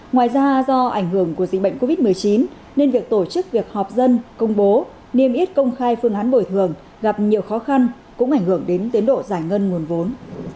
ngoài ra do ảnh hưởng của dịch bệnh covid một mươi chín nên việc tổ chức việc họp dân công bố niêm yết công khai phương án bồi thường gặp nhiều khó khăn cũng ảnh hưởng đến tiến độ giải ngân nguồn vốn